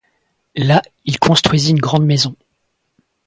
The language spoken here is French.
Là, il construisit une grande maison.